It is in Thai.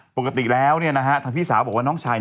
ปกติแล้วทางพี่สาวบอกว่าน้องชาย